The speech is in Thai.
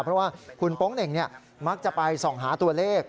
เพราะว่าคุณโป๊งเหน่งมักจะไปส่องหาตัวเลข